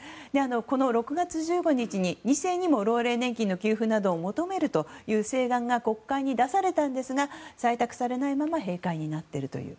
この６月１５日に２世にも老齢年金の給付などを求めるという請願が国会に出されたんですが採択されないまま閉会になっているという。